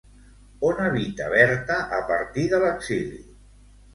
On habita Berta a partir de l'exili?